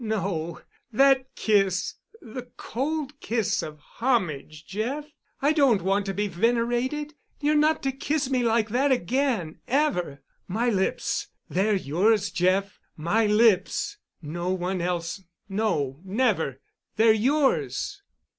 "No, not that kiss—the cold kiss of homage, Jeff. I don't want to be venerated. You're not to kiss me like that again—ever. My lips—they're yours, Jeff—my lips ... No one else—no, never ... they're yours."